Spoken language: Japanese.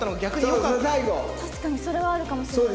確かにそれはあるかもしれない。